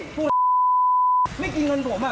จะพูกมาของมาแล้วพี่